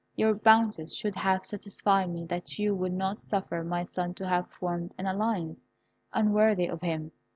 "Your bounties should have satisfied me that you would not suffer my son to have formed an alliance unworthy of him.